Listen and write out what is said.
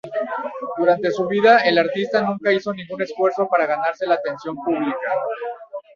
Durante su vida, el artista nunca hizo ningún esfuerzo para ganarse la atención pública.